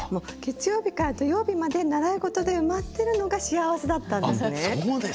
月曜日から土曜日まで習い事で埋まってるのが幸せだったんですね。